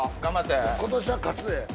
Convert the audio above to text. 今年は勝つで。